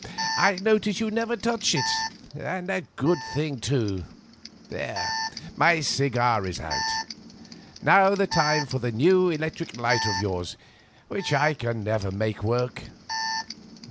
I notice you never touch it, and a good thing, too. There, my cigar is out. Now's the time for that new electric lighter of yours which I can never make work."